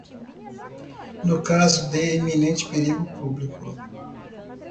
no caso de iminente perigo público